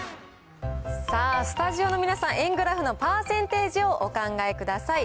さあ、スタジオの皆さん、円グラフのパーセンテージをお考えください。